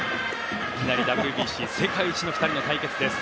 いきなりＷＢＣ世界一の２人の対決です。